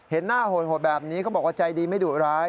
เห็นหน้าโหดแบบนี้เขาบอกว่าใจดีไม่ดุร้าย